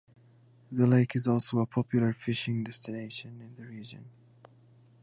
The lake is also a popular fishing destination in the region.